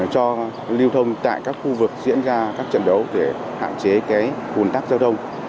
cho lưu thông tại các khu vực diễn ra các trận đấu để hạn chế ủn tắc giao thông